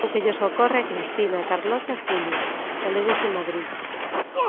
É o que lles ocorre a Cristina, Carlota e Julio, galegos en Madrid.